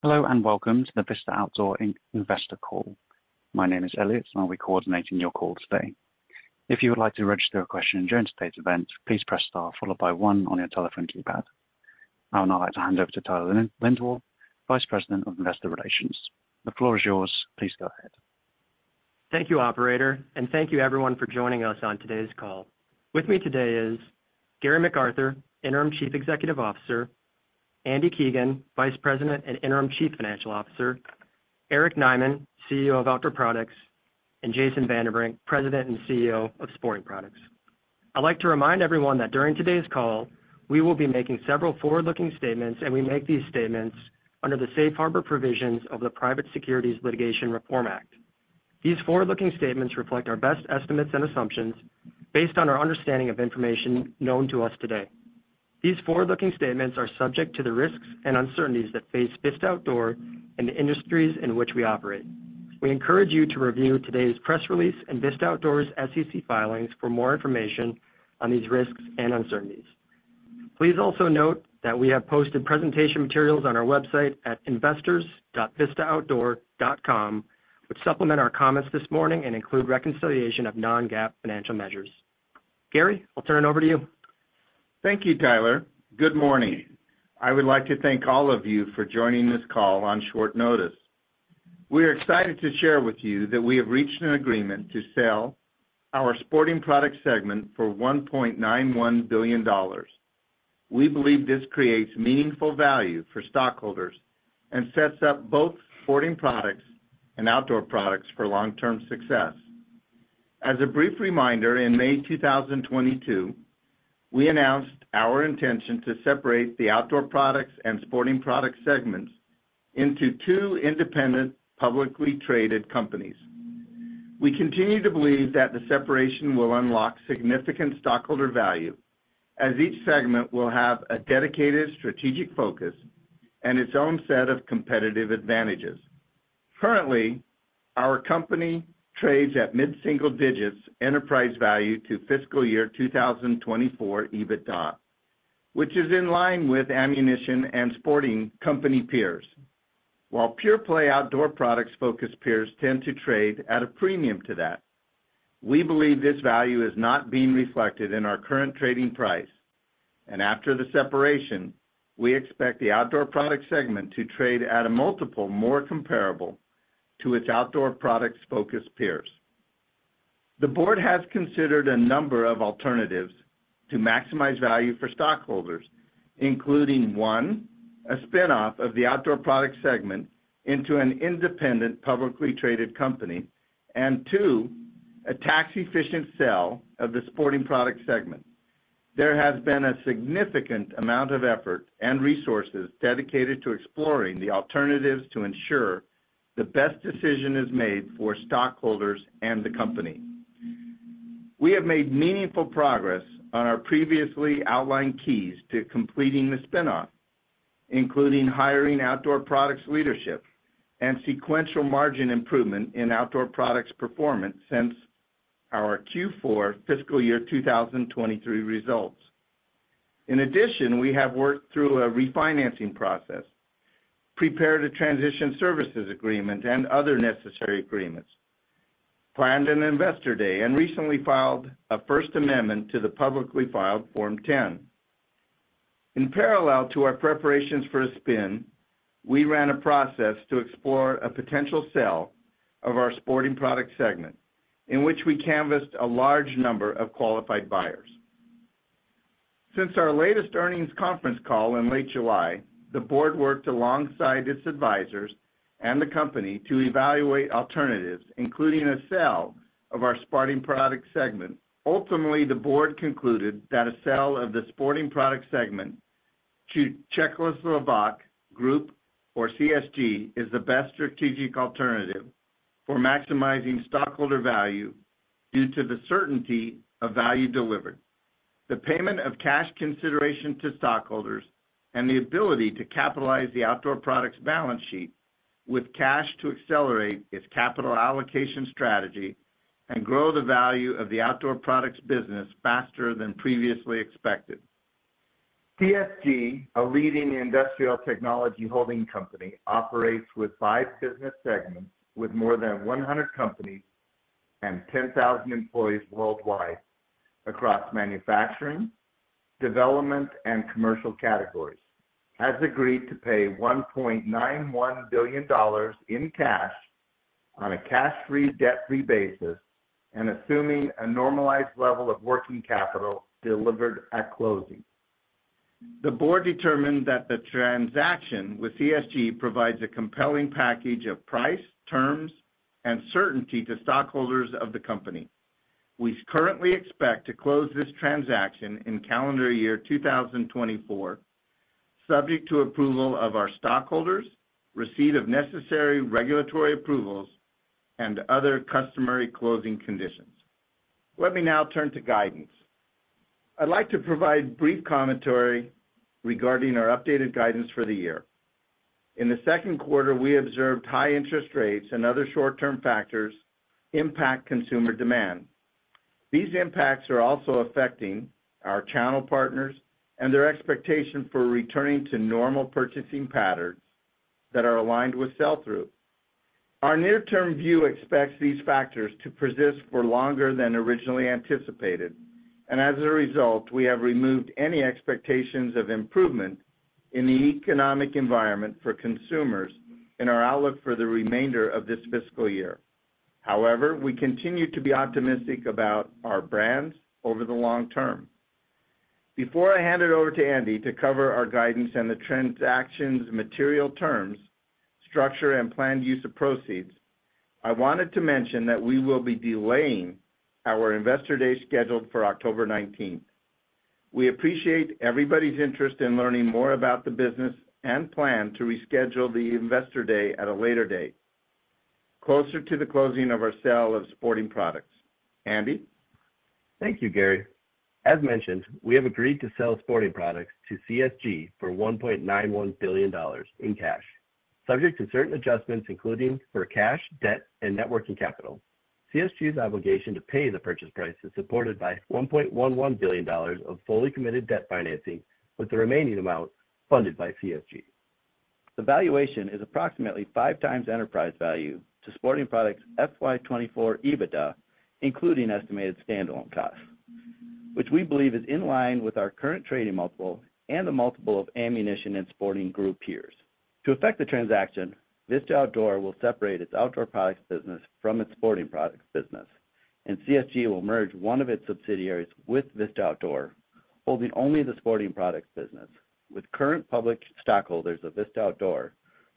Hello, and welcome to the Vista Outdoor Inc. investor call. My name is Elliot, and I'll be coordinating your call today. If you would like to register a question during today's event, please press star followed by one on your telephone keypad. I would now like to hand over to Tyler Lindwall, Vice President of Investor Relations. The floor is yours. Please go ahead. Thank you, operator, and thank you everyone for joining us on today's call. With me today is Gary McArthur, Interim Chief Executive Officer, Andy Keegan, Vice President and Interim Chief Financial Officer, Eric Nyman, CEO of Outdoor Products, and Jason Vanderbrink, President and CEO of Sporting Products. I'd like to remind everyone that during today's call, we will be making several forward-looking statements, and we make these statements under the Safe Harbor provisions of the Private Securities Litigation Reform Act. These forward-looking statements reflect our best estimates and assumptions based on our understanding of information known to us today. These forward-looking statements are subject to the risks and uncertainties that face Vista Outdoor and the industries in which we operate. We encourage you to review today's press release and Vista Outdoor's SEC filings for more information on these risks and uncertainties. Please also note that we have posted presentation materials on our website at investors.vistaoutdoor.com, which supplement our comments this morning and include reconciliation of non-GAAP financial measures. Gary, I'll turn it over to you. Thank you, Tyler. Good morning. I would like to thank all of you for joining this call on short notice. We are excited to share with you that we have reached an agreement to sell our sporting products segment for $1.91 billion. We believe this creates meaningful value for stockholders and sets up both sporting products and outdoor products for long-term success. As a brief reminder, in May 2022, we announced our intention to separate the outdoor products and sporting products segments into two independent, publicly traded companies. We continue to believe that the separation will unlock significant stockholder value, as each segment will have a dedicated strategic focus and its own set of competitive advantages. Currently, our company trades at mid-single digits enterprise value to fiscal year 2024 EBITDA, which is in line with ammunition and sporting company peers. While pure-play outdoor products-focused peers tend to trade at a premium to that, we believe this value is not being reflected in our current trading price, and after the separation, we expect the outdoor products segment to trade at a multiple more comparable to its outdoor products-focused peers. The board has considered a number of alternatives to maximize value for stockholders, including one, a spin-off of the outdoor products segment into an independent, publicly traded company, and two, a tax-efficient sale of the sporting products segment. There has been a significant amount of effort and resources dedicated to exploring the alternatives to ensure the best decision is made for stockholders and the company. We have made meaningful progress on our previously outlined keys to completing the spin-off, including hiring outdoor products leadership and sequential margin improvement in outdoor products performance since our Q4 fiscal year 2023 results. In addition, we have worked through a refinancing process, prepared a transition services agreement and other necessary agreements, planned an investor day, and recently filed a first amendment to the publicly filed Form 10. In parallel to our preparations for a spin, we ran a process to explore a potential sale of our sporting products segment, in which we canvassed a large number of qualified buyers. Since our latest earnings conference call in late July, the board worked alongside its advisors and the company to evaluate alternatives, including a sale of our sporting products segment. Ultimately, the board concluded that a sale of the sporting products segment to Czechoslovak Group, or CSG, is the best strategic alternative for maximizing stockholder value due to the certainty of value delivered, the payment of cash consideration to stockholders, and the ability to capitalize the outdoor products balance sheet with cash to accelerate its capital allocation strategy and grow the value of the outdoor products business faster than previously expected. CSG, a leading industrial technology holding company, operates with 5 business segments with more than 100 companies and 10,000 employees worldwide across manufacturing, development, and commercial categories, has agreed to pay $1.91 billion in cash on a cash-free, debt-free basis and assuming a normalized level of working capital delivered at closing. The board determined that the transaction with CSG provides a compelling package of price, terms, and certainty to stockholders of the company. We currently expect to close this transaction in calendar year 2024, subject to approval of our stockholders, receipt of necessary regulatory approvals, and other customary closing conditions. Let me now turn to guidance. I'd like to provide brief commentary regarding our updated guidance for the year. In the second quarter, we observed high interest rates and other short-term factors impact consumer demand.... These impacts are also affecting our channel partners and their expectation for returning to normal purchasing patterns that are aligned with sell-through. Our near-term view expects these factors to persist for longer than originally anticipated, and as a result, we have removed any expectations of improvement in the economic environment for consumers in our outlook for the remainder of this fiscal year. However, we continue to be optimistic about our brands over the long term. Before I hand it over to Andy to cover our guidance and the transaction's material terms, structure, and planned use of proceeds, I wanted to mention that we will be delaying our Investor Day scheduled for October nineteenth. We appreciate everybody's interest in learning more about the business and plan to reschedule the Investor Day at a later date, closer to the closing of our sale of Sporting Products. Andy? Thank you, Gary. As mentioned, we have agreed to sell Sporting Products to CSG for $1.91 billion in cash, subject to certain adjustments, including for cash, debt, and net working capital. CSG's obligation to pay the purchase price is supported by $1.11 billion of fully committed debt financing, with the remaining amount funded by CSG. The valuation is approximately 5x enterprise value to Sporting Products' FY 2024 EBITDA, including estimated standalone costs, which we believe is in line with our current trading multiple and the multiple of ammunition and sporting group peers. To effect the transaction, Vista Outdoor will separate its Outdoor Products business from its Sporting Products business, and CSG will merge one of its subsidiaries with Vista Outdoor, holding only the Sporting Products business, with current public stockholders of Vista Outdoor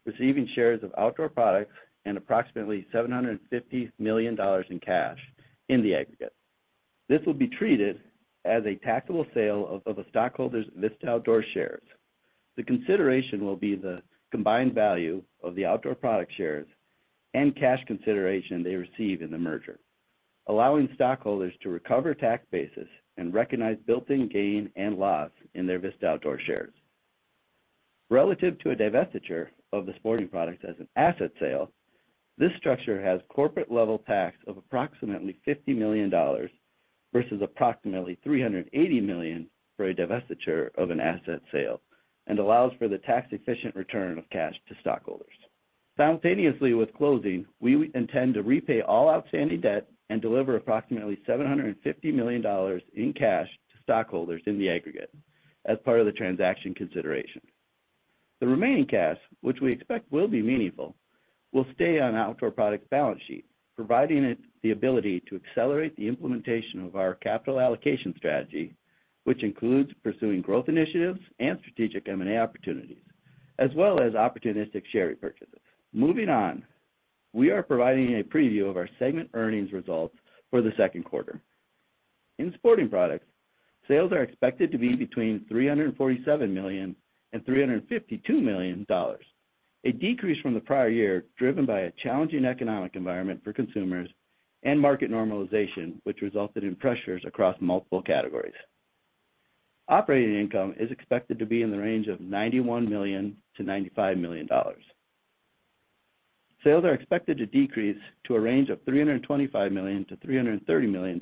receiving shares of Outdoor Products and approximately $750 million in cash in the aggregate. This will be treated as a taxable sale of the stockholders' Vista Outdoor shares. The consideration will be the combined value of the Outdoor Products shares and cash consideration they receive in the merger, allowing stockholders to recover tax basis and recognize built-in gain and loss in their Vista Outdoor shares. Relative to a divestiture of the Sporting Products as an asset sale, this structure has corporate-level tax of approximately $50 million versus approximately $380 million for a divestiture of an asset sale and allows for the tax-efficient return of cash to stockholders. Simultaneously with closing, we intend to repay all outstanding debt and deliver approximately $750 million in cash to stockholders in the aggregate as part of the transaction consideration. The remaining cash, which we expect will be meaningful, will stay on Outdoor Products' balance sheet, providing it the ability to accelerate the implementation of our capital allocation strategy, which includes pursuing growth initiatives and strategic M&A opportunities, as well as opportunistic share repurchases. Moving on, we are providing a preview of our segment earnings results for the second quarter. In Sporting Products, sales are expected to be between $347 million and $352 million, a decrease from the prior year, driven by a challenging economic environment for consumers and market normalization, which resulted in pressures across multiple categories. Operating income is expected to be in the range of $91 million-$95 million. Sales are expected to decrease to a range of $325 million-$330 million.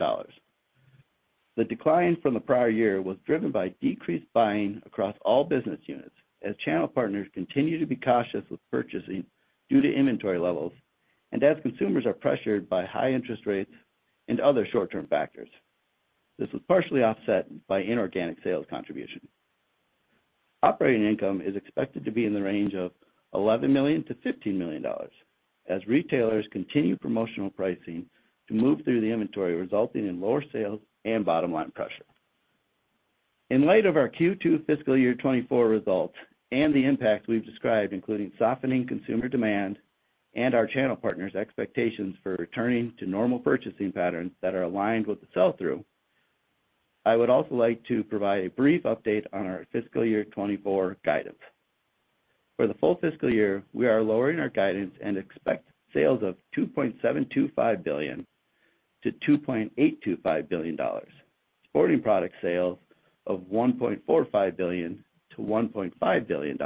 The decline from the prior year was driven by decreased buying across all business units, as channel partners continue to be cautious with purchasing due to inventory levels and as consumers are pressured by high interest rates and other short-term factors. This was partially offset by inorganic sales contribution. Operating income is expected to be in the range of $11 million-$15 million, as retailers continue promotional pricing to move through the inventory, resulting in lower sales and bottom-line pressure. In light of our Q2 fiscal year 2024 results and the impacts we've described, including softening consumer demand and our channel partners' expectations for returning to normal purchasing patterns that are aligned with the sell-through, I would also like to provide a brief update on our fiscal year 2024 guidance. For the full fiscal year, we are lowering our guidance and expect sales of $2.725 billion-$2.825 billion. Sporting products sales of $1.45 billion-$1.5 billion,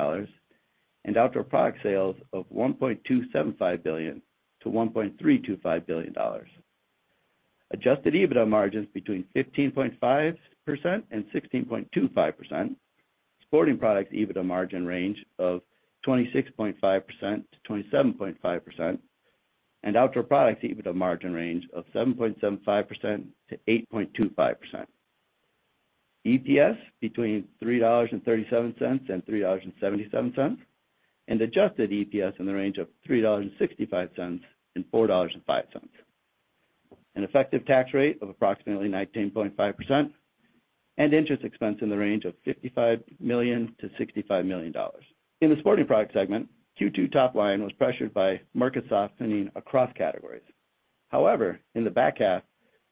and outdoor products sales of $1.275 billion-$1.325 billion. Adjusted EBITDA margins between 15.5% and 16.25%. Sporting Products EBITDA margin range of 26.5%-27.5%, and Outdoor Products EBITDA margin range of 7.75%-8.25%. EPS between $3.37 and $3.77, and adjusted EPS in the range of $3.65 and $4.05. An effective tax rate of approximately 19.5%, and interest expense in the range of $55 million-$65 million. In the Sporting Products segment, Q2 top line was pressured by market softening across categories. However, in the back half,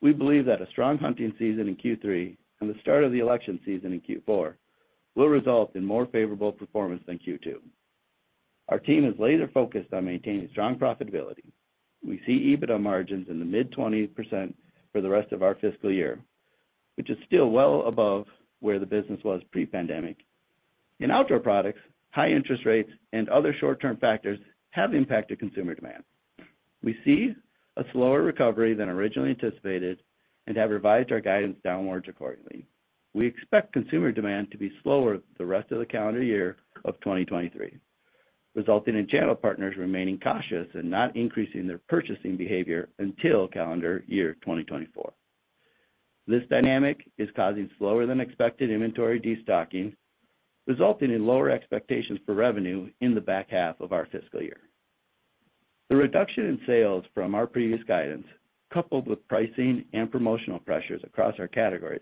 we believe that a strong hunting season in Q3 and the start of the election season in Q4 will result in more favorable performance than Q2. Our team is laser-focused on maintaining strong profitability. We see EBITDA margins in the mid-20% for the rest of our fiscal year, which is still well above where the business was pre-pandemic. In Outdoor Products, high interest rates and other short-term factors have impacted consumer demand. We see a slower recovery than originally anticipated and have revised our guidance downwards accordingly. We expect consumer demand to be slower the rest of the calendar year of 2023, resulting in channel partners remaining cautious and not increasing their purchasing behavior until calendar year 2024. This dynamic is causing slower than expected inventory destocking, resulting in lower expectations for revenue in the back half of our fiscal year. The reduction in sales from our previous guidance, coupled with pricing and promotional pressures across our categories,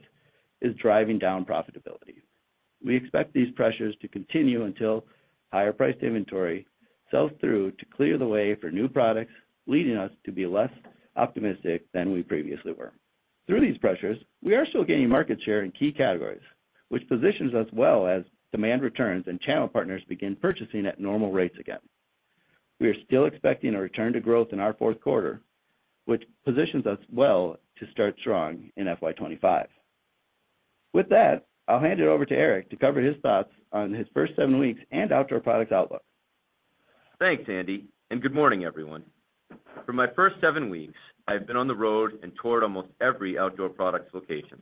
is driving down profitability. We expect these pressures to continue until higher priced inventory sells through to clear the way for new products, leading us to be less optimistic than we previously were. Through these pressures, we are still gaining market share in key categories, which positions us well as demand returns and channel partners begin purchasing at normal rates again. We are still expecting a return to growth in our fourth quarter, which positions us well to start strong in FY 2025. With that, I'll hand it over to Eric to cover his thoughts on his first seven weeks and Outdoor Products outlook. Thanks, Andy, and good morning, everyone. For my first seven weeks, I've been on the road and toured almost every Outdoor Products location.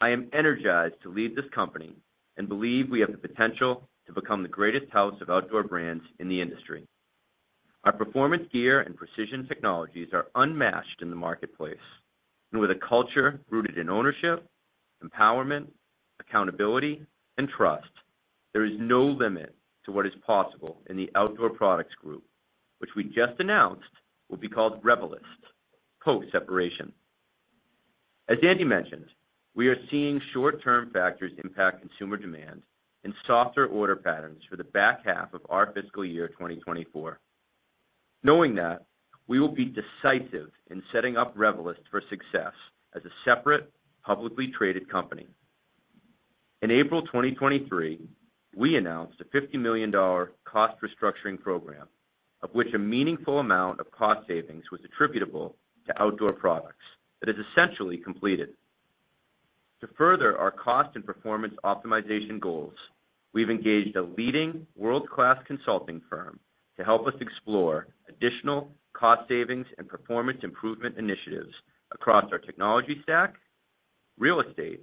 I am energized to lead this company and believe we have the potential to become the greatest house of outdoor brands in the industry. Our performance gear and precision technologies are unmatched in the marketplace, and with a culture rooted in ownership, empowerment, accountability, and trust, there is no limit to what is possible in the Outdoor Products group, which we just announced will be called Revelyst, post-separation. As Andy mentioned, we are seeing short-term factors impact consumer demand and softer order patterns for the back half of our fiscal year 2024. Knowing that, we will be decisive in setting up Revelyst for success as a separate, publicly traded company. In April 2023, we announced a $50 million cost restructuring program, of which a meaningful amount of cost savings was attributable to Outdoor Products. That is essentially completed. To further our cost and performance optimization goals, we've engaged a leading world-class consulting firm to help us explore additional cost savings and performance improvement initiatives across our technology stack, real estate,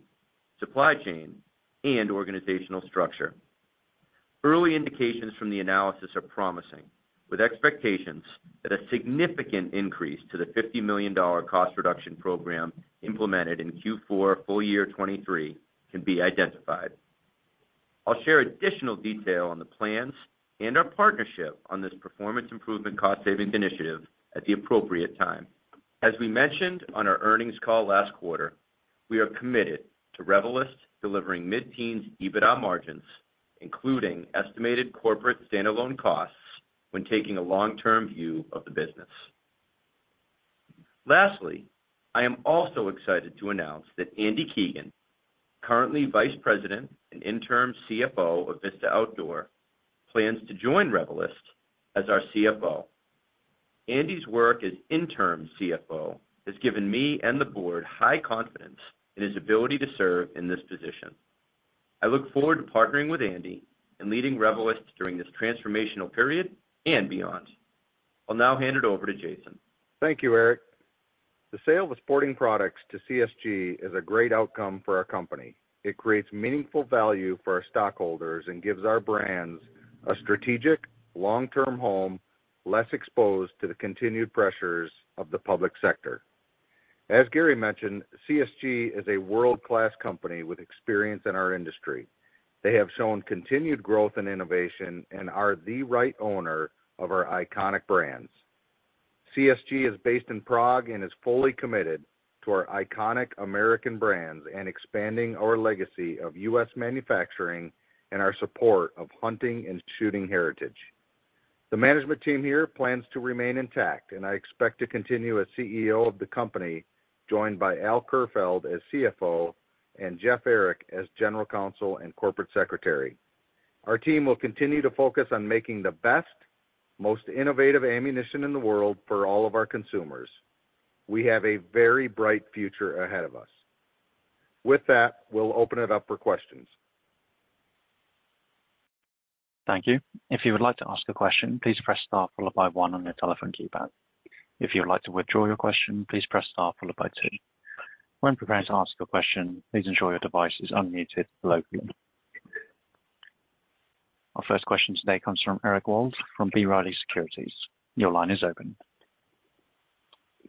supply chain, and organizational structure. Early indications from the analysis are promising, with expectations that a significant increase to the $50 million cost reduction program implemented in Q4 full year 2023 can be identified. I'll share additional detail on the plans and our partnership on this performance improvement cost savings initiative at the appropriate time. As we mentioned on our earnings call last quarter, we are committed to Revelyst delivering mid-teens EBITDA margins, including estimated corporate standalone costs, when taking a long-term view of the business. Lastly, I am also excited to announce that Andy Keegan, currently Vice President and Interim CFO of Vista Outdoor, plans to join Revelyst as our CFO. Andy's work as Interim CFO has given me and the board high confidence in his ability to serve in this position. I look forward to partnering with Andy and leading Revelyst during this transformational period and beyond. I'll now hand it over to Jason. Thank you, Eric. The sale of Sporting Products to CSG is a great outcome for our company. It creates meaningful value for our stockholders and gives our brands a strategic, long-term home, less exposed to the continued pressures of the public sector. As Gary mentioned, CSG is a world-class company with experience in our industry. They have shown continued growth and innovation and are the right owner of our iconic brands. CSG is based in Prague and is fully committed to our iconic American brands and expanding our legacy of U.S. manufacturing and our support of hunting and shooting heritage. The management team here plans to remain intact, and I expect to continue as CEO of the company, joined by Al Kerfeld as CFO and Jeff Ehrich as General Counsel and Corporate Secretary. Our team will continue to focus on making the best, most innovative ammunition in the world for all of our consumers. We have a very bright future ahead of us. With that, we'll open it up for questions. Thank you. If you would like to ask a question, please press star followed by one on your telephone keypad. If you would like to withdraw your question, please press star followed by two. When preparing to ask a question, please ensure your device is unmuted locally. Our first question today comes from Eric Wold from B. Riley Securities. Your line is open.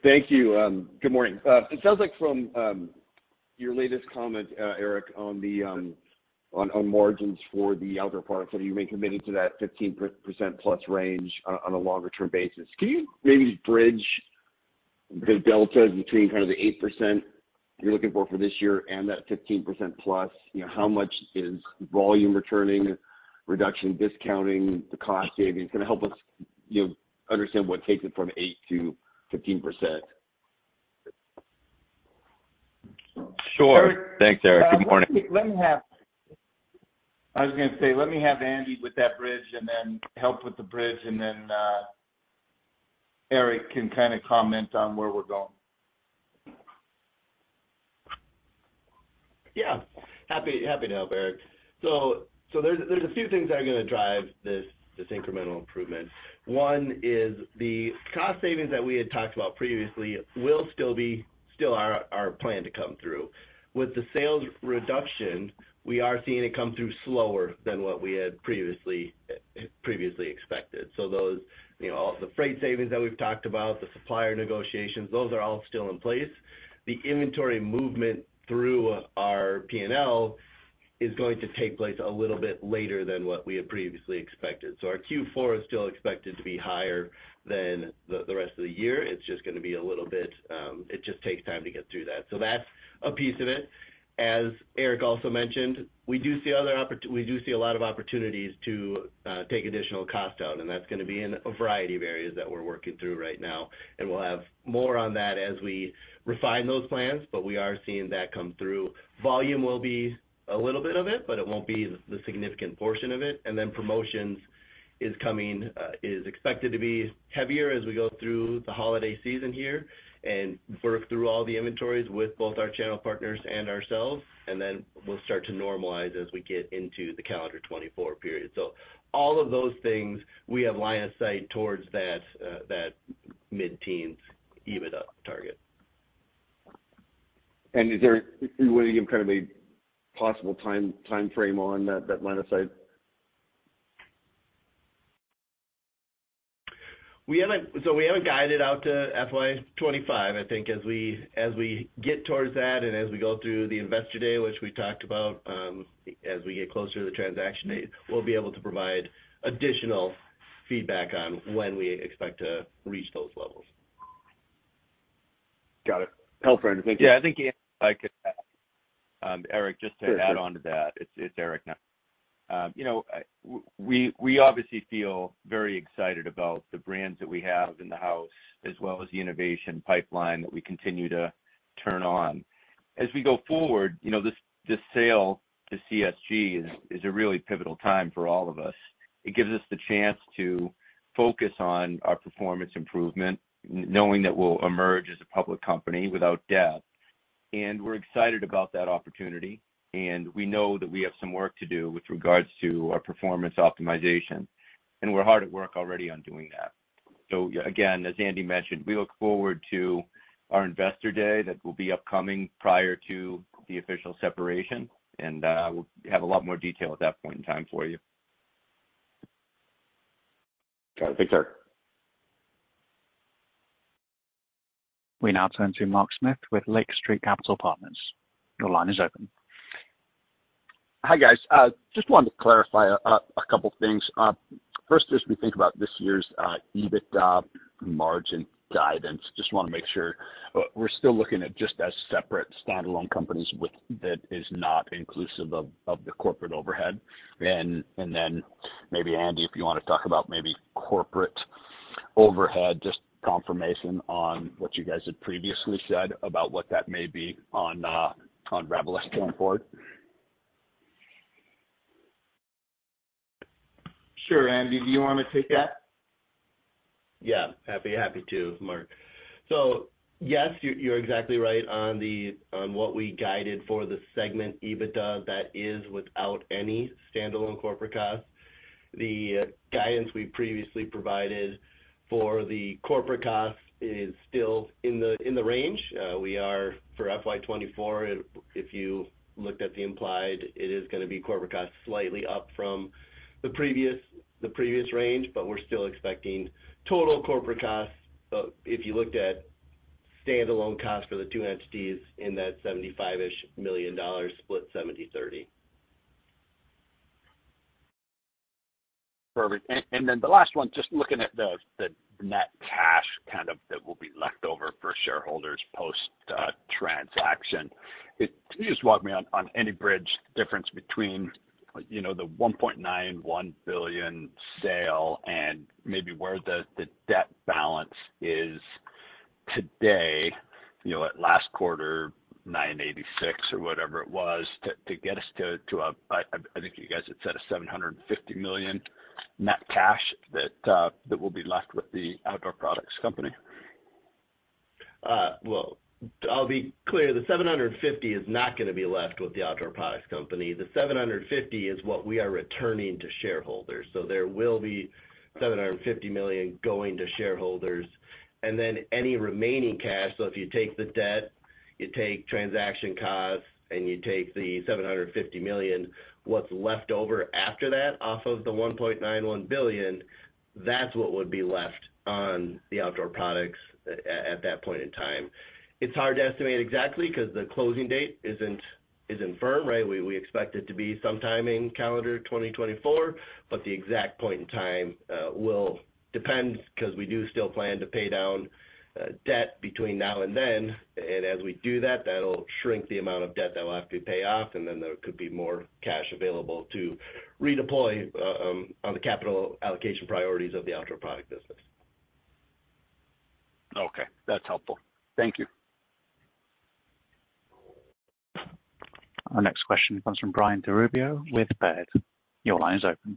Thank you. Good morning. It sounds like from your latest comment, Eric, on the margins for the Outdoor Products, that you remain committed to that 15% plus range on a longer-term basis. Can you maybe bridge the deltas between kind of the 8% you're looking for this year and that 15% plus? You know, how much is volume returning, reduction, discounting, the cost savings? It's gonna help us, you know, understand what takes it from 8% to 15%. Sure. Thanks, Eric. Good morning. Let me have... I was gonna say, let me have Andy with that bridge, and then help with the bridge, and then, Eric can kind of comment on where we're going. Yeah, happy to help, Eric. So there's a few things that are gonna drive this incremental improvement. One is the cost savings that we had talked about previously will still be our plan to come through. With the sales reduction, we are seeing it come through slower than what we had previously expected. So those, you know, all the freight savings that we've talked about, the supplier negotiations, those are all still in place. The inventory movement through our P&L is going to take place a little bit later than what we had previously expected. So our Q4 is still expected to be higher than the rest of the year. It's just gonna be a little bit... It just takes time to get through that. So that's a piece of it. As Eric also mentioned, we do see a lot of opportunities to take additional cost out, and that's gonna be in a variety of areas that we're working through right now. And we'll have more on that as we refine those plans, but we are seeing that come through. Volume will be a little bit of it, but it won't be the significant portion of it. And then promotions is expected to be heavier as we go through the holiday season here and work through all the inventories with both our channel partners and ourselves, and then we'll start to normalize as we get into the calendar 2024 period. So all of those things, we have line of sight towards that mid-teens EBITDA target. And is there—would you give kind of a possible time, timeframe on that, that line of sight? We haven't. So we haven't guided out to FY 2025. I think as we get towards that, and as we go through the Investor Day, which we talked about, as we get closer to the transaction date, we'll be able to provide additional feedback on when we expect to reach those levels. Got it. Helpful, Andrew. Thank you. Yeah, I think I could add, Eric, just to add on to that. It's Eric now. You know, we obviously feel very excited about the brands that we have in the house, as well as the innovation pipeline that we continue to turn on. As we go forward, you know, this sale to CSG is a really pivotal time for all of us. It gives us the chance to focus on our performance improvement, knowing that we'll emerge as a public company without debt. And we're excited about that opportunity, and we know that we have some work to do with regards to our performance optimization, and we're hard at work already on doing that. So, again, as Andy mentioned, we look forward to our Investor Day that will be upcoming prior to the official separation, and we'll have a lot more detail at that point in time for you. Got it. Thanks, Eric. We now turn to Mark Smith with Lake Street Capital Partners. Your line is open. Hi, guys. Just wanted to clarify a couple things. First, as we think about this year's EBITDA margin guidance, just wanna make sure we're still looking at just as separate standalone companies with... That is not inclusive of the corporate overhead. And then maybe, Andy, if you wanna talk about maybe corporate overhead, just confirmation on what you guys had previously said about what that may be on Revelyst going forward. Sure. Andy, do you want to take that? Yeah. Happy to, Mark. So, yes, you're exactly right on what we guided for the segment EBITDA. That is without any standalone corporate costs. The guidance we previously provided for the corporate costs is still in the range. We are, for FY 2024, if you looked at the implied, it is gonna be corporate costs slightly up from the previous range, but we're still expecting total corporate costs, if you looked at standalone costs for the two entities, in that $75-ish million split 70-30. Perfect. And then the last one, just looking at the net cash, kind of, that will be left over for shareholders post transaction. Can you just walk me on any bridge difference between, you know, the $1.91 billion sale and maybe where the debt balance is today, you know, at last quarter, $986 or whatever it was, to get us to a, I think you guys had said a $750 million net cash, that will be left with the Outdoor Products company? Well, I'll be clear, the 750 is not gonna be left with the Outdoor Products company. The 750 is what we are returning to shareholders. So there will be $750 million going to shareholders. And then any remaining cash, so if you take the debt, you take transaction costs, and you take the $750 million, what's left over after that, off of the $1.91 billion, that's what would be left on the Outdoor Products at that point in time. It's hard to estimate exactly because the closing date isn't firm, right? We expect it to be sometime in calendar 2024, but the exact point in time will depend, because we do still plan to pay down debt between now and then. As we do that, that'll shrink the amount of debt that will have to be paid off, and then there could be more cash available to redeploy on the capital allocation priorities of the Outdoor Products business. Okay, that's helpful. Thank you. Our next question comes from Brian DiRubbio with Baird. Your line is open.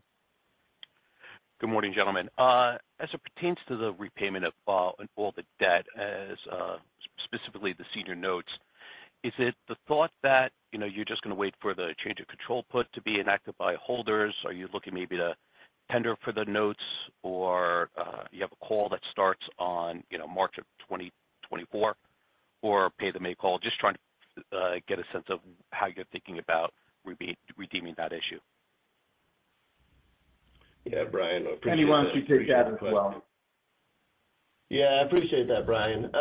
Good morning, gentlemen. As it pertains to the repayment of all the debt as specifically the senior notes, is it the thought that, you know, you're just going to wait for the change of control put to be enacted by holders? Are you looking maybe to tender for the notes or you have a call that starts on, you know, March of 2024, or pay the May call? Just trying to get a sense of how you're thinking about redeeming that issue. Yeah, Brian, I appreciate that question. Andy, why don't you take that as well? Yeah, I appreciate that, Brian.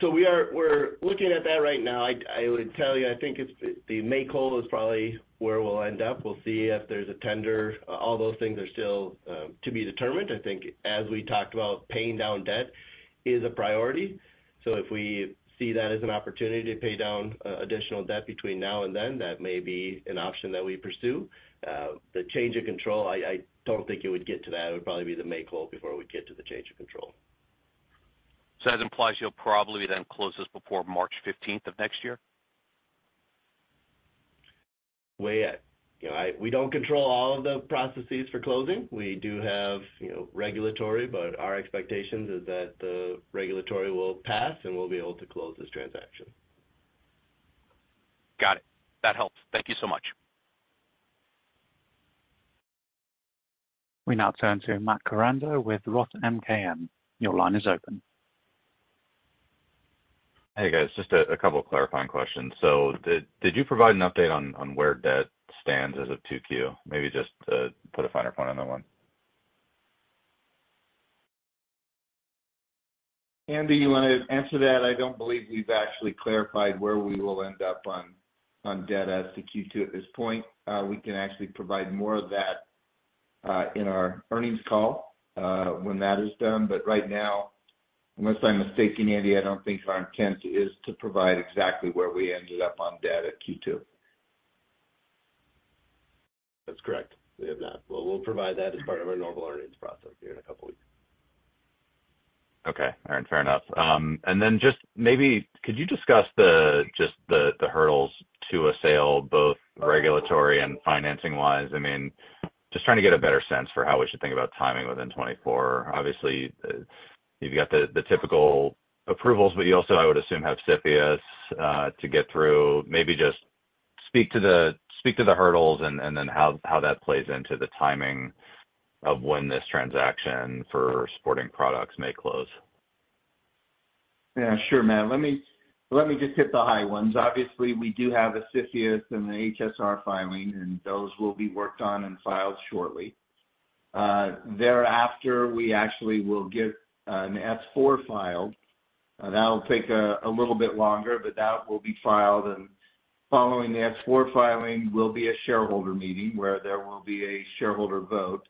So we are—we're looking at that right now. I would tell you, I think it's the May call is probably where we'll end up. We'll see if there's a tender. All those things are still to be determined. I think as we talked about, paying down debt is a priority. So if we see that as an opportunity to pay down additional debt between now and then, that may be an option that we pursue. The change of control, I don't think it would get to that. It would probably be the May call before we get to the change of control. So that implies you'll probably then close this before March fifteenth of next year? We, you know, we don't control all of the processes for closing. We do have, you know, regulatory, but our expectations is that the regulatory will pass, and we'll be able to close this transaction. Got it. That helps. Thank you so much. We now turn to Matt Koranda with Roth MKM. Your line is open. Hey, guys. Just a couple of clarifying questions. So did you provide an update on where debt stands as of 2Q? Maybe just to put a finer point on that one. Andy, you want to answer that? I don't believe we've actually clarified where we will end up on, on debt as to Q2 at this point. We can actually provide more of that, in our earnings call, when that is done. But right now, unless I'm mistaken, Andy, I don't think our intent is to provide exactly where we ended up on debt at Q2. That's correct. We have not. But we'll provide that as part of our normal earnings process here in a couple of weeks. Okay. All right, fair enough. And then just maybe could you discuss just the hurdles to a sale, both regulatory and financing-wise? I mean, just trying to get a better sense for how we should think about timing within 2024. Obviously, you've got the typical approvals, but you also, I would assume, have CFIUS to get through. Maybe just speak to the hurdles and then how that plays into the timing of when this transaction for sporting products may close. Yeah, sure, Matt. Let me, let me just hit the high ones. Obviously, we do have a CFIUS and an HSR filing, and those will be worked on and filed shortly. Thereafter, we actually will get an S-4 filed. That'll take a little bit longer, but that will be filed, and following the S-4 filing will be a shareholder meeting where there will be a shareholder vote.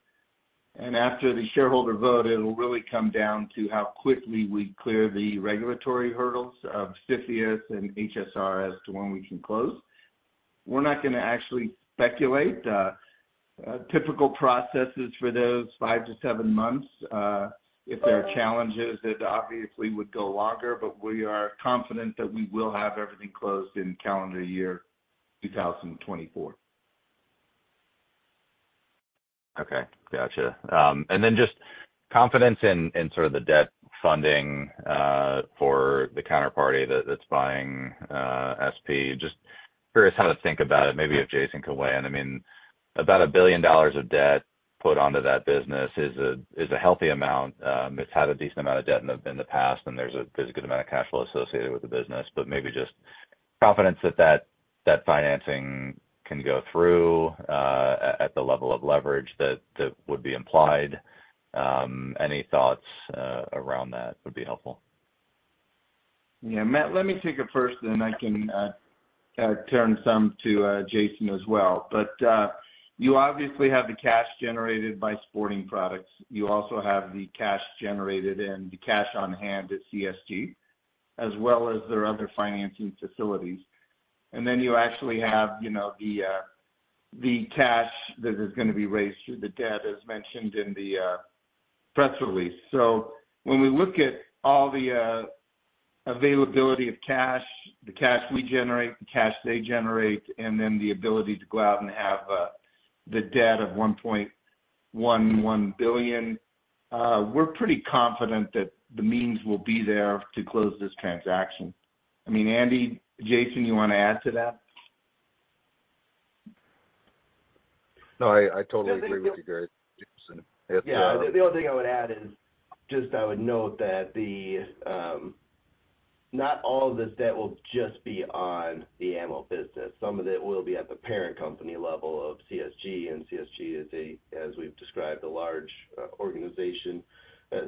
And after the shareholder vote, it'll really come down to how quickly we clear the regulatory hurdles of CFIUS and HSR as to when we can close. We're not going to actually speculate, typical processes for those 5-7 months. If there are challenges, it obviously would go longer, but we are confident that we will have everything closed in calendar year 2024. Okay, gotcha. And then just confidence in sort of the debt funding for the counterparty that's buying SP. Just curious how to think about it. Maybe if Jason could weigh in. I mean, about $1 billion of debt put onto that business is a healthy amount. It's had a decent amount of debt in the past, and there's a good amount of cash flow associated with the business, but maybe just confidence that that financing can go through at the level of leverage that would be implied. Any thoughts around that would be helpful. Yeah, Matt, let me take it first, then I can turn some to Jason as well. But you obviously have the cash generated by Sporting Products. You also have the cash generated and the cash on hand at CSG, as well as their other financing facilities. And then you actually have, you know, the cash that is going to be raised through the debt, as mentioned in the press release. So when we look at all the availability of cash, the cash we generate, the cash they generate, and then the ability to go out and have the debt of $1.1 billion, we're pretty confident that the means will be there to close this transaction. I mean, Andy, Jason, you want to add to that? No, I totally agree with you, Gary. Jason, if you. Yeah, the only thing I would add is just I would note that the, not all of this debt will just be on the AML business. Some of it will be at the parent company level of CSG, and CSG is a, as we've described, a large, organization.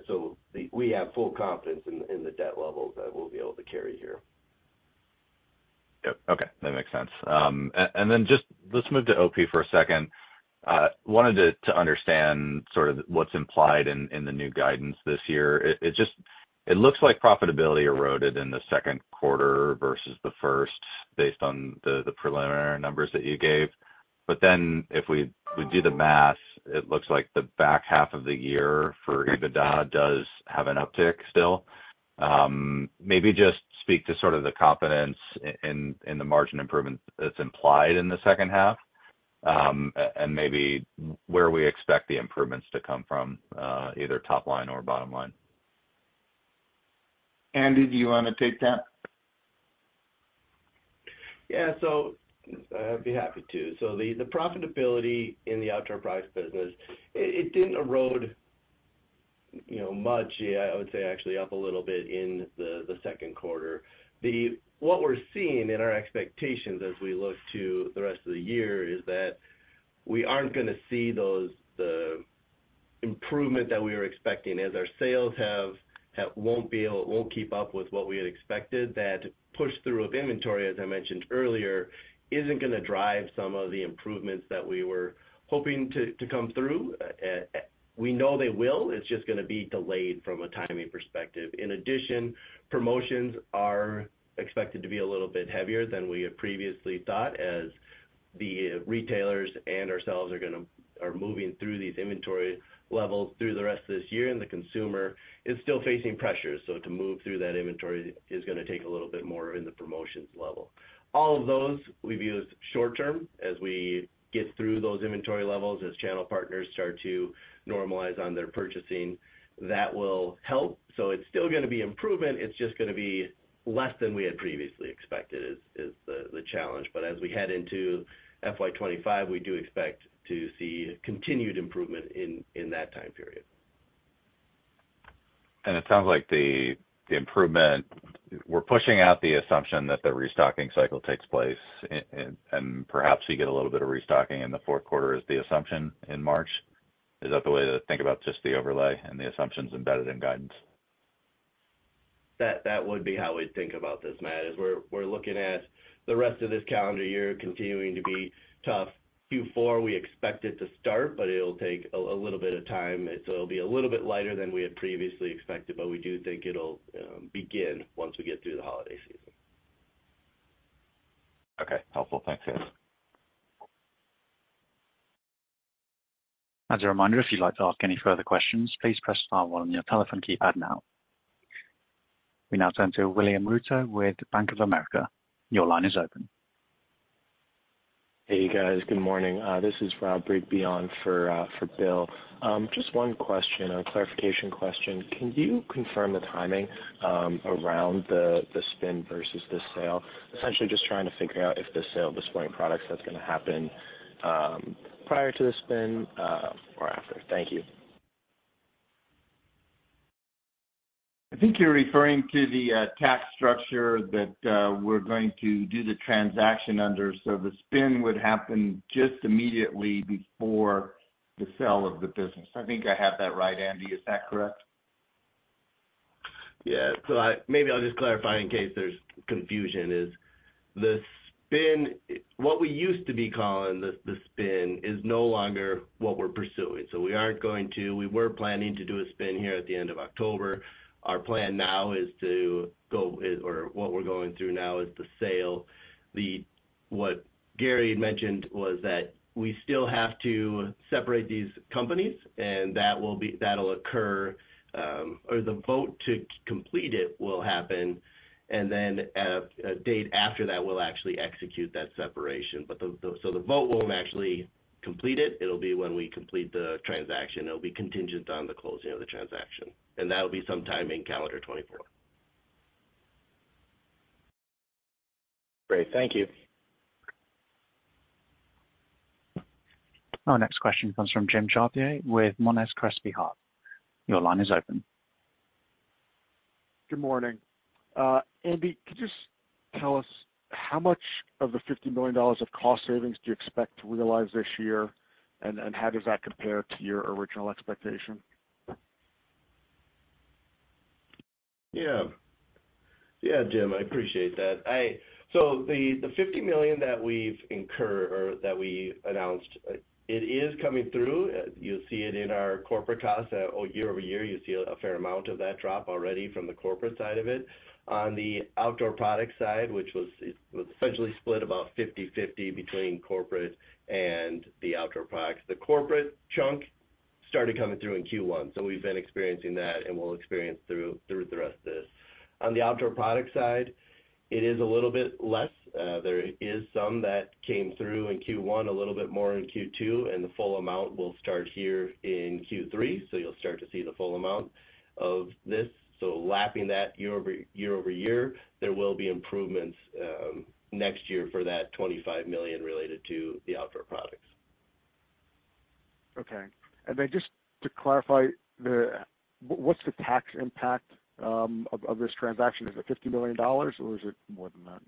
So we have full confidence in the debt levels that we'll be able to carry here. Yep. Okay, that makes sense. And then just—let's move to OP for a second. Wanted to understand sort of what's implied in the new guidance this year. It just—it looks like profitability eroded in the second quarter versus the first, based on the preliminary numbers that you gave. But then if we do the math, it looks like the back half of the year for EBITDA does have an uptick still.... Maybe just speak to sort of the confidence in the margin improvement that's implied in the second half. And maybe where we expect the improvements to come from, either top line or bottom line. Andy, do you want to take that? Yeah. So, I'd be happy to. So the profitability in the outdoor products business, it didn't erode, you know, much. Yeah, I would say actually up a little bit in the second quarter. What we're seeing in our expectations as we look to the rest of the year is that we aren't gonna see the improvement that we were expecting, as our sales won't keep up with what we had expected. That push-through of inventory, as I mentioned earlier, isn't gonna drive some of the improvements that we were hoping to come through. We know they will, it's just gonna be delayed from a timing perspective. In addition, promotions are expected to be a little bit heavier than we had previously thought, as the retailers and ourselves are moving through these inventory levels through the rest of this year, and the consumer is still facing pressures. So to move through that inventory is gonna take a little bit more in the promotions level. All of those we view as short term. As we get through those inventory levels, as channel partners start to normalize on their purchasing, that will help. So it's still gonna be improvement, it's just gonna be less than we had previously expected, is the challenge. But as we head into FY 2025, we do expect to see continued improvement in that time period. It sounds like the improvement... We're pushing out the assumption that the restocking cycle takes place, and perhaps we get a little bit of restocking in the fourth quarter, is the assumption in March. Is that the way to think about just the overlay and the assumptions embedded in guidance? That, that would be how we'd think about this, Matt, is we're looking at the rest of this calendar year continuing to be tough. Q4, we expect it to start, but it'll take a little bit of time, and so it'll be a little bit lighter than we had previously expected, but we do think it'll begin once we get through the holiday season. Okay. Helpful. Thanks, guys. As a reminder, if you'd like to ask any further questions, please press star one on your telephone keypad now. We now turn to William Reuter with Bank of America. Your line is open. Hey, you guys. Good morning. This is Rob, standing in for Bill. Just one question, a clarification question. Can you confirm the timing around the spin versus the sale? Essentially, just trying to figure out if the sale of the sporting products, that's gonna happen prior to the spin or after. Thank you. I think you're referring to the tax structure that we're going to do the transaction under. So the spin would happen just immediately before the sale of the business. I think I have that right, Andy, is that correct? Yeah. So I maybe I'll just clarify in case there's confusion, is the spin, what we used to be calling the, the spin, is no longer what we're pursuing. So we aren't going to. We were planning to do a spin here at the end of October. Our plan now is to go, or what we're going through now, is the sale. The... What Gary mentioned was that we still have to separate these companies, and that will be that'll occur, or the vote to complete it will happen, and then at a, a date after that, we'll actually execute that separation. But the, the... So the vote won't actually complete it, it'll be when we complete the transaction. It'll be contingent on the closing of the transaction, and that'll be sometime in calendar 2024. Great. Thank you. Our next question comes from Jim Chartier with Monness, Crespi, Hardt. Your line is open. Good morning. Andy, could you just tell us how much of the $50 million of cost savings do you expect to realize this year, and, and how does that compare to your original expectation? Yeah. Yeah, Jim, I appreciate that. So the $50 million that we've incurred, or that we announced, it is coming through. You'll see it in our corporate costs. Year-over-year, you'll see a fair amount of that drop already from the corporate side of it. On the outdoor products side, which was, it was essentially split about 50/50 between corporate and the outdoor products. The corporate chunk started coming through in Q1, so we've been experiencing that, and we'll experience through the rest of this. On the outdoor products side, it is a little bit less. There is some that came through in Q1, a little bit more in Q2, and the full amount will start here in Q3, so you'll start to see the full amount of this. Lapping that year-over-year, there will be improvements next year for that $25 million related to the outdoor products. Okay. And then just to clarify, what's the tax impact of this transaction? Is it $50 million or is it more than that?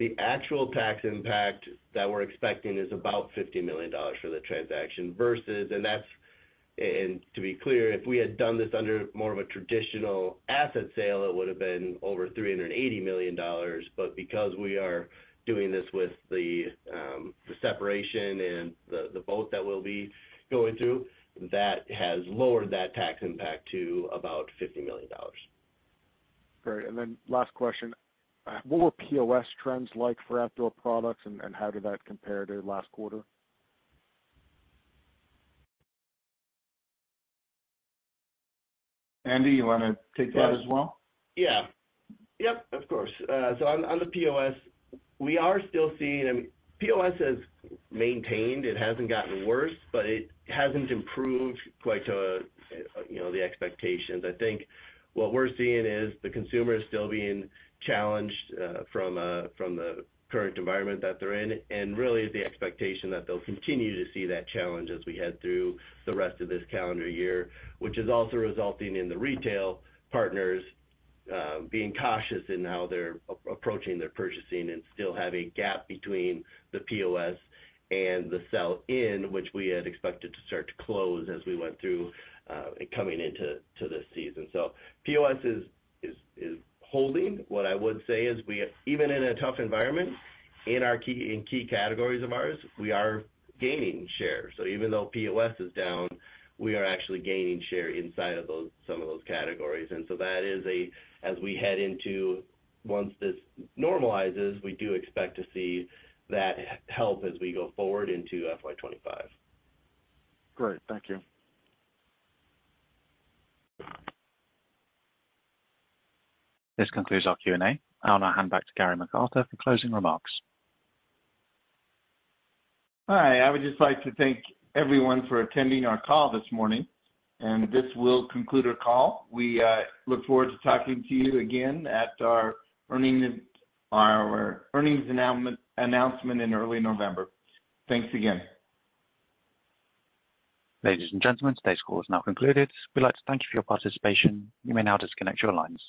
The actual tax impact that we're expecting is about $50 million for the transaction versus... And that's to be clear, if we had done this under more of a traditional asset sale, it would have been over $380 million. But because we are doing this with the separation and the vote that we'll be going through, that has lowered that tax impact to about $50 million. Great. And then last question: what were POS trends like for outdoor products, and, and how did that compare to last quarter? Andy, you want to take that as well? Yeah. Yep, of course. So on the POS, we are still seeing... I mean, POS has maintained. It hasn't gotten worse, but it hasn't improved quite to, you know, the expectations. I think what we're seeing is the consumer is still being challenged from the current environment that they're in, and really the expectation that they'll continue to see that challenge as we head through the rest of this calendar year, which is also resulting in the retail partners being cautious in how they're approaching their purchasing and still have a gap between the POS and the sell-in, which we had expected to start to close as we went through coming into this season. So POS is holding. What I would say is we, even in a tough environment, in our key, in key categories of ours, we are gaining share. So even though POS is down, we are actually gaining share inside of those, some of those categories. And so that is a, as we head into. Once this normalizes, we do expect to see that help as we go forward into FY 2025. Great. Thank you. This concludes our Q&A. I'll now hand back to Gary McArthur for closing remarks. Hi. I would just like to thank everyone for attending our call this morning, and this will conclude our call. We look forward to talking to you again at our earnings announcement in early November. Thanks again. Ladies and gentlemen, today's call is now concluded. We'd like to thank you for your participation. You may now disconnect your lines.